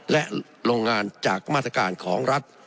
และโรงงานจากมาตรการของรัฐ